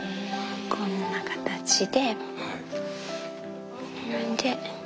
こんな形で。